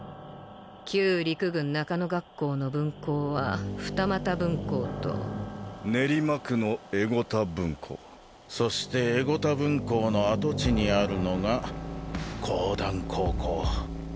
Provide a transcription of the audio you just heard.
旧陸軍中野学校の分校は二俣分校と練魔区の江古田分校そして江古田分校の跡地にあるのが講談高校